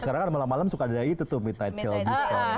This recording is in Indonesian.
sekarang kan malam malam suka ada itu tuh mid night sale diskon gitu kan